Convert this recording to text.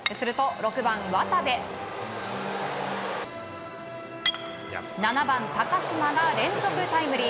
６番、渡部７番、高嶋が連続タイムリー。